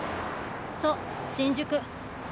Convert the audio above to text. そっ新宿。